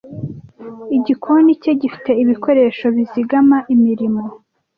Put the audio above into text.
Igikoni cye gifite ibikoresho bizigama imirimo.